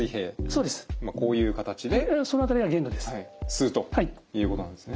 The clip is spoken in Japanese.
吸うということなんですね。